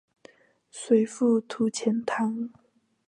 随父徙钱塘。